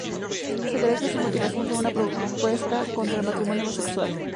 Se cree que su motivación fue una protesta contra el matrimonio homosexual.